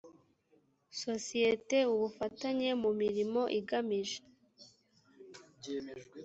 sosiyete ubufatanye mu mirimo igamije